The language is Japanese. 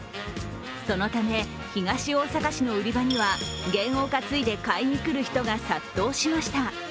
そのため、東大阪市の売り場には験を担いで買いに来る人が殺到しました。